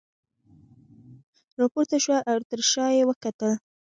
راپورته شوه او تر شاه یې وکتل.